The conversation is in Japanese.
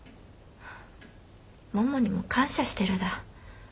ももにも感謝してるだ。